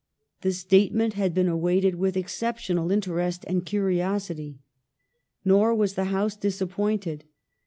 The statement had been awaited with exceptional interest and curiosity. Nor was the House disappointed.